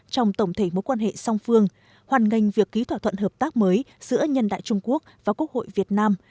trong tổng thể mối quan hệ song phương hoàn ngành việc ký thỏa thuận hợp tác mới giữa nhân đại trung quốc và quốc hội việt nam